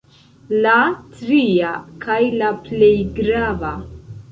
La tria, kaj la plej grava.